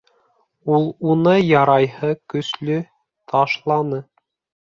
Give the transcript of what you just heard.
Ул уны ярайһы көслө ташланы